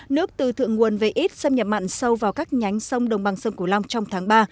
nước từ thượng nguồn về ít xâm nhập mặn sâu vào các nhánh sông đồng bằng sông cửu long trong tháng ba